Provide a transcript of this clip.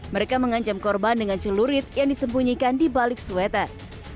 mereka mengancam korban dengan celurit yang disembunyikan di balik sweater